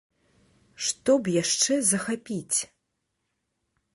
Што б яшчэ захапіць?